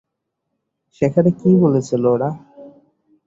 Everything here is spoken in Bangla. সেখানে কি বলেছে, নোরাহ?